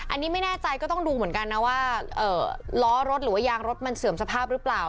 อันนี้ไม่แน่ใจก็ต้องดูเหมือนกันนะว่าล้อรถหรือว่ายางรถมันเสื่อมสภาพหรือเปล่า